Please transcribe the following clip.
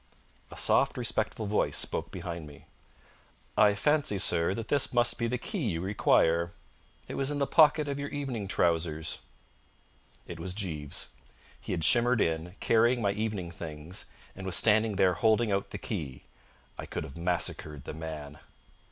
A soft, respectful voice spoke behind me. "I fancy, sir, that this must be the key you require. It was in the pocket of your evening trousers." It was Jeeves. He had shimmered in, carrying my evening things, and was standing there holding out the key. I could have massacred the man.